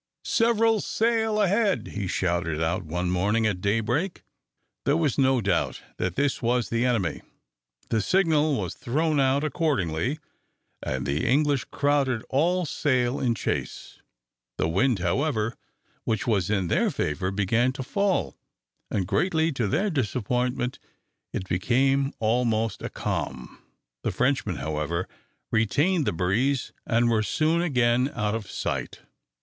"Several sail ahead!" he shouted out one morning at daybreak. There was no doubt that this was the enemy. The signal was thrown out accordingly, and the English crowded all sail in chase. The wind, however, which was in their favour, began to fall, and, greatly to their disappointment, it became almost a calm. The Frenchmen, however, retained the breeze, and were soon again out of sight.